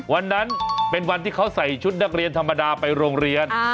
วันนั้นเป็นวันที่เขาใส่ชุดนักเรียนธรรมดาไปโรงเรียน